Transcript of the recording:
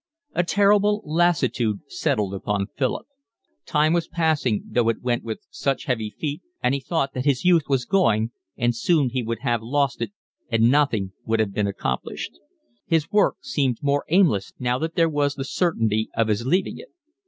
A terrible lassitude settled upon Philip. Time was passing, though it went with such heavy feet, and he thought that his youth was going and soon he would have lost it and nothing would have been accomplished. His work seemed more aimless now that there was the certainty of his leaving it.